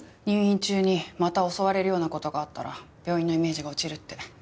入院中にまた襲われるような事があったら病院のイメージが落ちるって。